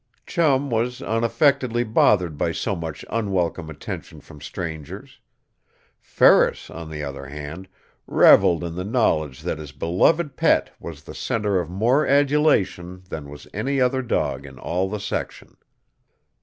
Chum was unaffectedly bothered by so much unwelcome attention from strangers. Ferris, on the other hand, reveled in the knowledge that his beloved pet was the center of more adulation than was any other dog in all the section.